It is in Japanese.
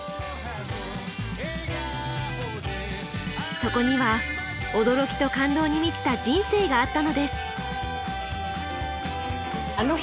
そこには驚きと感動に満ちた人生があったのです。